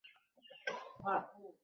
মূর্খ বিড়াল গুলো ওকে অনুসরণ করে চলে যাবে।